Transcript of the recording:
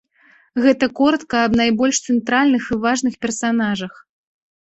Гэта коратка аб найбольш цэнтральных і важных персанажах.